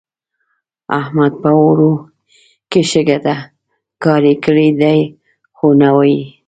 د احمد په اوړو کې شګه ده؛ کار يې کړی دی خو نه وايي.